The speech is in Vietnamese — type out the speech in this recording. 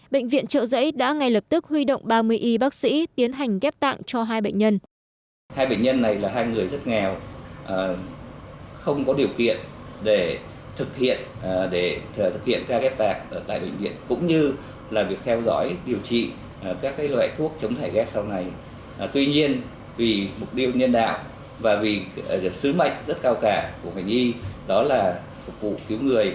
bệnh viện trợ giấy đã ngay lập tức huy động ba mươi y bác sĩ tiến hành ghép tàng cho hai bệnh nhân